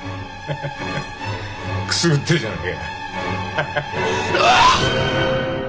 ハハハくすぐってえじゃねえかよ。